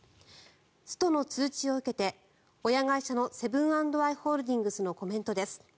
ストの通知を受けて親会社のセブン＆アイ・ホールディングスのコメントです。